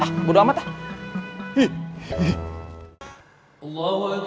wa lalaikumussalam wassalamualaikum warahmatullahi wabarakatuh masya allah